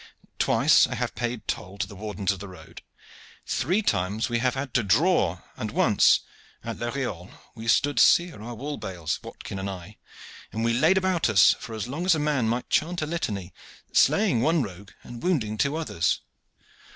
Twice I have paid toll to the wardens of the road. Three times we have had to draw, and once at La Reolle we stood over our wool bales, Watkin and I, and we laid about us for as long as a man might chant a litany, slaying one rogue and wounding two others.